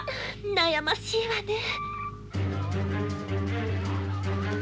悩ましいわねえ。